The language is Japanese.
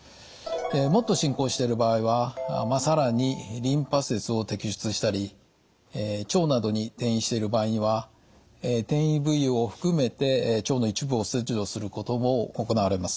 もっと進行している場合は更にリンパ節を摘出したり腸などに転移している場合には転移部位を含めて腸の一部を切除することも行われます。